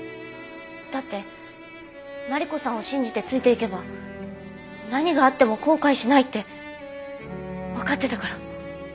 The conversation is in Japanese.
だってマリコさんを信じてついていけば何があっても後悔しないってわかってたから。